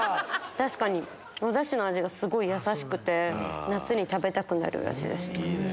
確かにおダシの味がすごいやさしくて夏に食べたくなる味です。